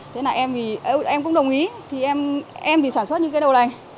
thế là em thì em cũng đồng ý thì em thì sản xuất những cái đầu này